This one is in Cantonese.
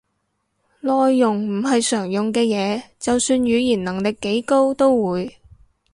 內容唔係常用嘅嘢，就算語言能力幾高都會